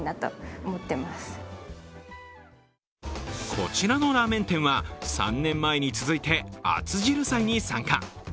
こちらのラーメン店は、３年前に続いて熱汁祭に参加。